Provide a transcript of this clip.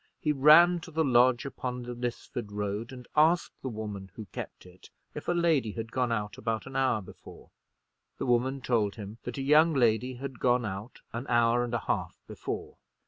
He ran to the lodge upon the Lisford Road, and asked the woman who kept it, if a lady had gone out about an hour before. The woman told him that a young lady had gone out an hour and a half before.